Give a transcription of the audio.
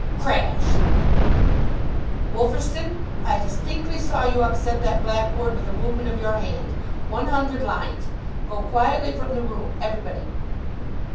Crash! "Wolferstan, I distinctly saw you upset that black board with a movement of your hand one hundred lines. Go quietly from the room, everybody."